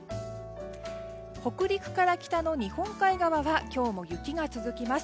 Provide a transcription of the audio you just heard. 北陸から北の日本海側は今日も雪が続きます。